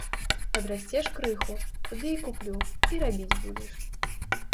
Падрасцеш крыху, тады й куплю, й рабіць будзеш.